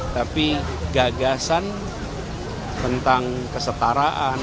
tapi gagasan tentang kesetaraan